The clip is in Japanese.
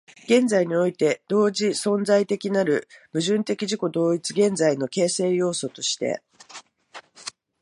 現在において同時存在的なる矛盾的自己同一的現在の形成要素として、